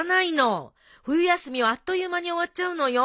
冬休みはあっという間に終わっちゃうのよ。